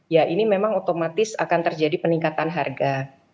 ya ini memang otomatis akan terjadi peningkatan harga